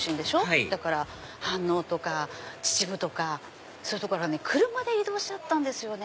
はい飯能とか秩父とかそういう所はね車で移動しちゃったんですよね。